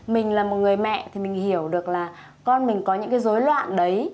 mình là một người mẹ thì mình hiểu được là con mình có những cái dối loạn đấy